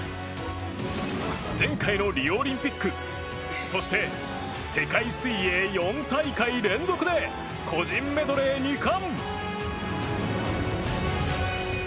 前回のリオオリンピックそして、世界水泳４大会連続で個人メドレー２冠。